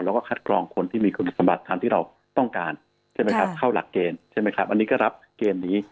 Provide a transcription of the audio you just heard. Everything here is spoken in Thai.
แล้วก็คัดกรองคนที่มีคุณสมบัติตามที่เราต้องการใช่ไหมครับเข้าหลักเกณฑ์ใช่ไหมครับอันนี้ก็รับเกณฑ์นี้